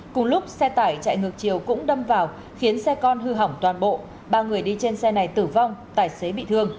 cùng lúc xe tải chạy ngược chiều cũng đâm vào khiến xe con hư hại